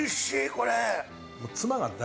これ。